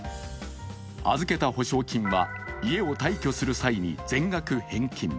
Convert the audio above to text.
預けた保証金は家を退去する際に全額返金。